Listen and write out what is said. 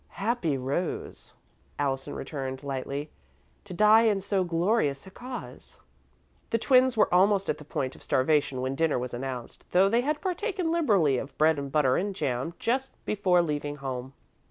"Happy rose," Allison returned, lightly, "to die in so glorious a cause." The twins were almost at the point of starvation when dinner was announced, though they had partaken liberally of bread and butter and jam just before leaving home.